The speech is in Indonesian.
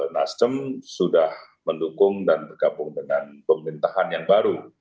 nasdem sudah mendukung dan bergabung dengan pemerintahan yang baru